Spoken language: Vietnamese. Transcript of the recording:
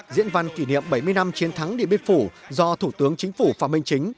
diễn văn kỷ niệm bảy mươi năm chiến thắng điện biên phủ do thủ tướng chính phủ phạm minh chính